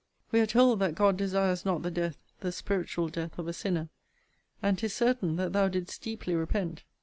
We are told, that God desires not the death, the spiritual death of a sinner: And 'tis certain, that thou didst deeply repent!